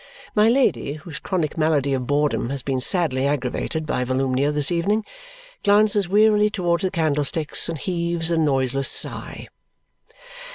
My Lady, whose chronic malady of boredom has been sadly aggravated by Volumnia this evening, glances wearily towards the candlesticks and heaves a noiseless sigh.